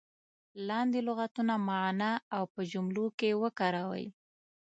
لاندې لغتونه معنا او په جملو کې وکاروئ.